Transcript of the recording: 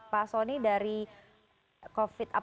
pak sony dari covid sembilan belas